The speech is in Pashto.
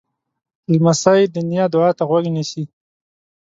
لمسی د نیا دعا ته غوږ نیسي.